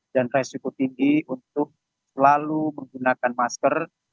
dan resiko tinggi untuk selalu menggunakan masker